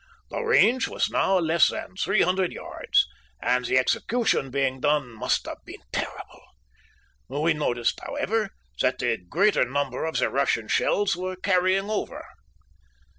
The range now was less than 300 yards, and the execution being done must have been terrible. We noticed, however, that the greater number of the Russian shells were 'carrying over.'